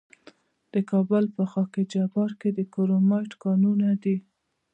د کابل په خاک جبار کې د کرومایټ کانونه دي.